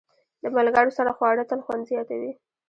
د ملګرو سره خواړه تل خوند زیاتوي.